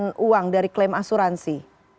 mengeluarkan uang dari klaim asuransi